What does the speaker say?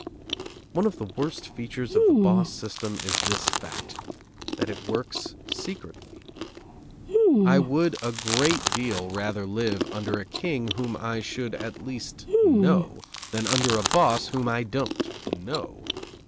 One of the worst features of the boss system is this fact, that it works secretly. I would a great deal rather live under a king whom I should at least know, than under a boss whom I don't know.